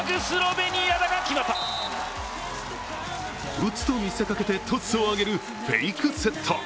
打つと見せかけてトスを上げるフェイクセット。